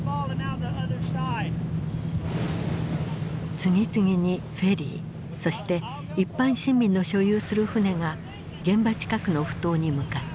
次々にフェリーそして一般市民の所有する船が現場近くの埠頭に向かった。